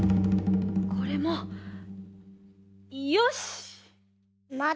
これもよしっ！